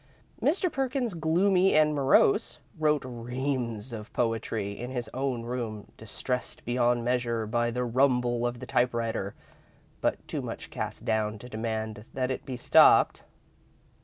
Mr. Perkins, gloomy and morose, wrote reams of poetry in his own room, distressed beyond measure by the rumble of the typewriter, but too much cast down to demand that it be stopped.